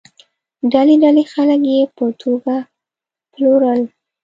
ډلې ډلې خلک یې په توګه پلورل.